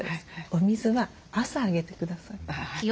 お水は朝あげてください。